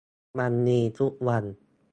มันมีทุกวัน